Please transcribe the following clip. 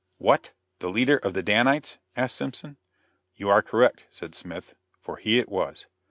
"What! the leader of the Danites?" asked Simpson. "You are correct," said Smith, for he it was.